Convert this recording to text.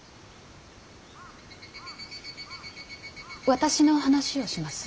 私の話をします。